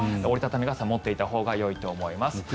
折り畳み傘を持っていたほうがいいと思います。